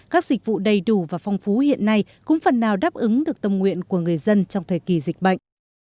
các dịch vụ đầy đủ và phong phú hiện nay cũng phần nào đáp ứng được tâm nguyện của người dân trong thời kỳ dịch bệnh